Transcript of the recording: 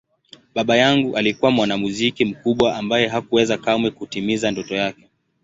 Baba yangu alikuwa mwanamuziki mkubwa ambaye hakuweza kamwe kutimiza ndoto yake.